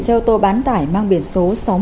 xe ô tô bán tải mang biển số sáu mươi một c